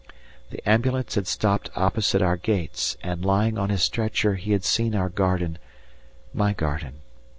The ambulance had stopped opposite our gates, and lying on his stretcher he had seen our garden, my garden.